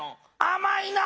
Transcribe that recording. あまいな。